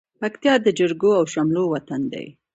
پکتيا د جرګو او شملو وطن دى.